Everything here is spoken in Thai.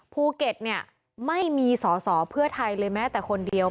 ภูเก็ตเนี่ยไม่มีสอสอเพื่อไทยเลยแม้แต่คนเดียว